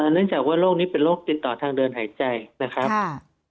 เนื่องจากว่าโรคนี้เป็นโรคติดต่อทางเดินหายใจนะครับ